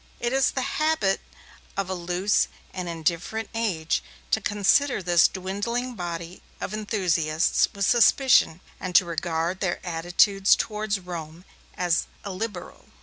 It is the habit of a loose and indifferent age to consider this dwindling body of enthusiasts with suspicion, and to regard their attitude towards Rome as illiberal.